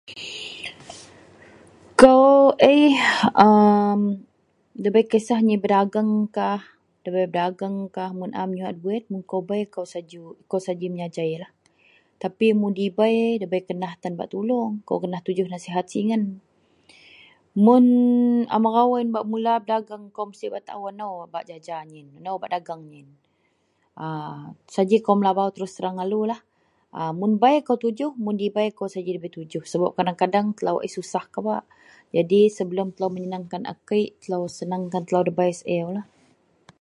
Ako pebak hanpon kadeng-kadeng dagen jelau bei tujuk lakau, mun perelu, mun debei perelu kadeng-kadeng dua lakau jelau.